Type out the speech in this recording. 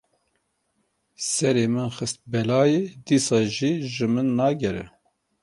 Serê min xist belayê dîsa jî ji min nagere.